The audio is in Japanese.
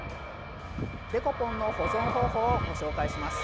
デコポンの保存方法をご紹介します。